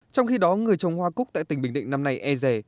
trong khi đó người trồng hoa cúc tại tỉnh bình định năm nay e rè